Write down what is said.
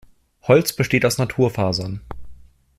Holz besteht aus Naturfasern.